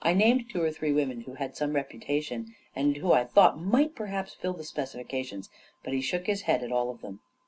el named two or three women who had some repu tation and who I thought might perhaps fill the specifications; But he shook his head at all of them.